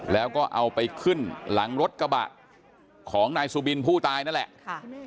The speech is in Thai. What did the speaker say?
แล้วก็เอาไปขึ้นหลังรถกระบะของนายสุบินผู้ตายนั่นแหละค่ะ